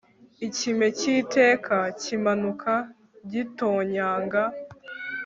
Ikime cyiteka kimanuka gitonyanga